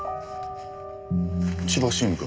千葉新聞？